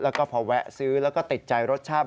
แล้วก็พอแวะซื้อแล้วก็ติดใจรสชาติ